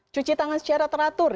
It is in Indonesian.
cuci tangan secara teratur